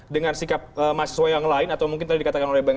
dengan sikap mahasiswa yang lain atau mungkin tadi dikatakan oleh bang